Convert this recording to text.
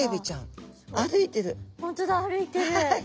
本当だ歩いてる。